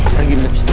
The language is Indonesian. pergi dari sini